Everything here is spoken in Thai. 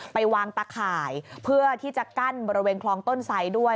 ไปวางตะข่ายเพื่อที่จะกั้นบริเวณคลองต้นไสด้วย